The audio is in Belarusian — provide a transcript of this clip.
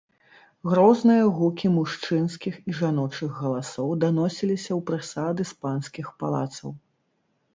Грозныя гукі мужчынскіх і жаночых галасоў даносіліся ў прысады з панскіх палацаў.